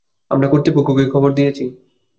আমরা কর্তৃপক্ষকে খবর দিয়েছি।